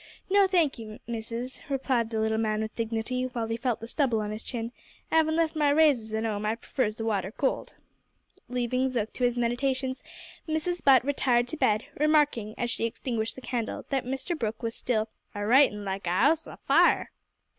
"No, thank you, Missis," replied the little man with dignity, while he felt the stubble on his chin; "'avin left my razors at 'ome, I prefers the water cold." Leaving Zook to his meditations, Mrs Butt retired to bed, remarking, as she extinguished the candle, that Mr Brooke was still "a writin' like a 'ouse a fire!"